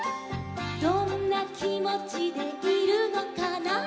「どんなきもちでいるのかな」